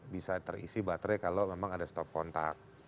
bisa terisi baterai kalau memang ada stop kontak